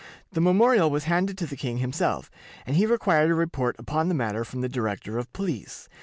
The memorial was handed to the king himself, and he required a report upon the matter from the Director of Police.